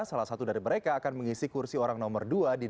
salah satu dari mereka akan mengisi kursi orang nomor dua